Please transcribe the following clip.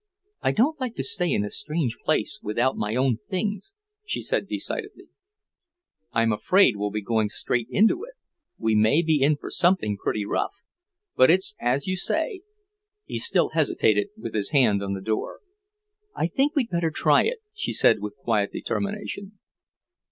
"I don't like to stay in a strange place without my own things," she said decidedly. "I'm afraid we'll be going straight into it. We may be in for something pretty rough, but it's as you say." He still hesitated, with his hand on the door. "I think we'd better try it," she said with quiet determination.